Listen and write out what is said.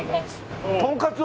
とんかつ。